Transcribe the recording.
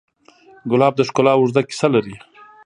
ګلاب د ښکلا اوږده کیسه لري.